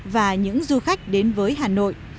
và những du khách đến với hà nội